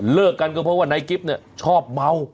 เลิกกันก็เพราะว่านายกิ๊บเนี่ยชอบเมา